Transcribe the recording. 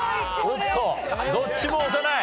おっとどっちも押さない。